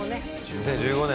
２０１５年。